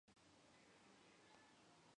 El matrimonio finalmente acabó en divorcio.